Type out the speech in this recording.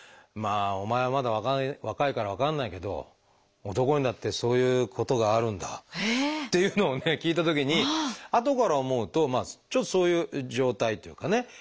「まあお前はまだ若いから分かんないけど男にだってそういうことがあるんだ」って言うのをね聞いたときにあとから思うとちょっとそういう状態っていうかね